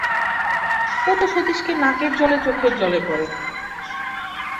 ও তো সতীশকে নাকের জলে চোখের জলে করে।